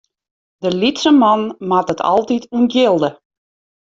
De lytse man moat it altyd ûntjilde.